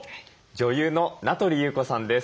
女優の名取裕子さんです。